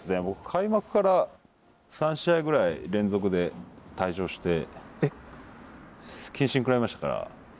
僕開幕から３試合ぐらい連続で退場して謹慎食らいましたから。